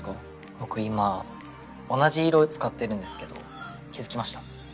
僕今同じ色使ってるんですけど気付きました？